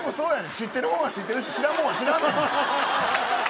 知ってる方は知ってるし知らんもんは知らんねん。